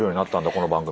この番組。